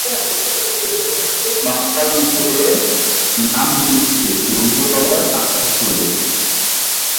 পাতাল ফেড়ে নামব নিচে, উঠব আবার আকাশ ফুঁড়ে।